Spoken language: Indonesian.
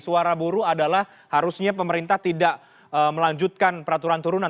suara buruh adalah harusnya pemerintah tidak melanjutkan peraturan turunan